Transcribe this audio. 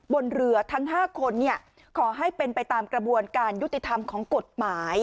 บนเรือทั้ง๕คนขอให้เป็นไปตามกระบวนการยุติธรรมของกฎหมาย